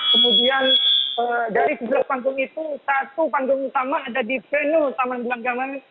kemudian dari sebelah panggung itu satu panggung utama ada di venu taman belambangan